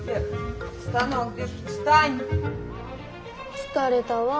疲れたわあ。